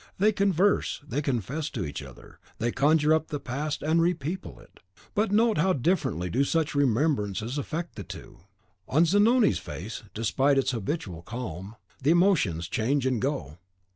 They converse; they confess to each other; they conjure up the past, and repeople it; but note how differently do such remembrances affect the two. On Zanoni's face, despite its habitual calm, the emotions change and go.